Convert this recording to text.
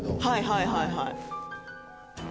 はいはいはいはい。